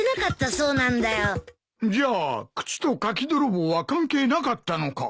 じゃあ靴と柿泥棒は関係なかったのか？